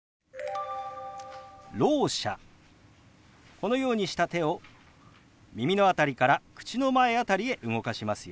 このようにした手を耳の辺りから口の前辺りへ動かしますよ。